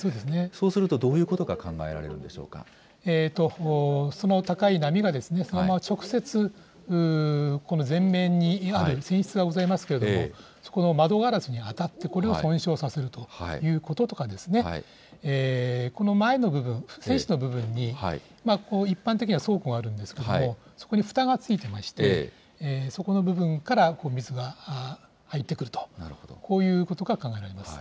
そうすると、どういうことがその高い波が、そのまま直接この前面に、船室がございますけれども、そこの窓ガラスに当たって、これを損傷させるということとか、この前の部分、船首の部分に一般的には倉庫があるんですけれども、そこにふたがついてまして、そこの部分から水が入ってくると、こういうことが考えられま